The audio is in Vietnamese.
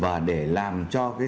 và để làm cho cái tầm cao mới